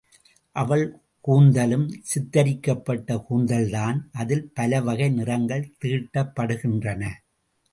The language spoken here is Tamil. அவள் கூந்தலும் சித்திரிக்கப்பட்ட கூந்தல்தான் அதில் பலவகை நிறங்கள் தீட்டப்படுகின்றன.